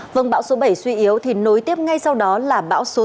vâng bão số bảy suy yếu thì nối tiếp ngay sau đó là bão số năm